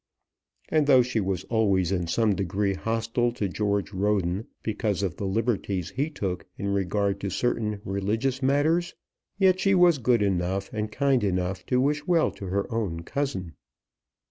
And though she was always in some degree hostile to George Roden, because of the liberties he took in regard to certain religious matters, yet she was good enough and kind enough to wish well to her own cousin.